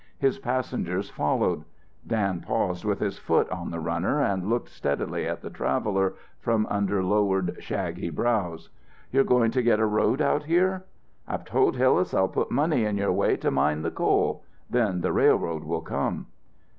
His passengers followed. Dan paused with his foot on the runner and looked steadily at the traveller from under lowered, shaggy brows. "You're going to get a road out here?" "I've told Hillas I'll put money in your way to mine the coal. Then the railroad will come."